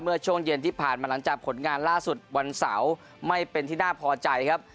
เมื่อช่วงเย็นที่ผ่านมาหลังจากผลงานล่าสุดวันเสาร์ไม่เป็นที่น่าพอใจครับ